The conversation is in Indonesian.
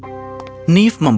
oh ini adalah nasi goreng